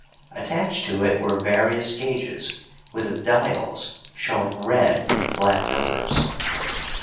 Attached to it were various gauges, with dials showing red and black numbers.